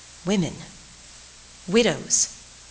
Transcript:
Women! Widows!